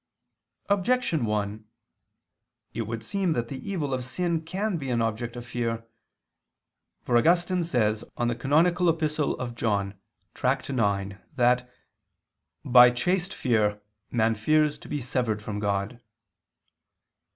Objection 1: It would seem that the evil of sin can be an object of fear. For Augustine says on the canonical Epistle of John (Tract. ix), that "by chaste fear man fears to be severed from God."